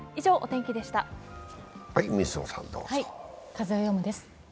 「風をよむ」です。